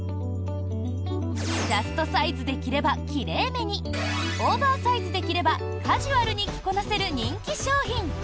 ジャストサイズで着れば奇麗めにオーバーサイズで着ればカジュアルに着こなせる人気商品。